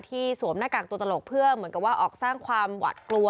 สวมหน้ากากตัวตลกเพื่อเหมือนกับว่าออกสร้างความหวัดกลัว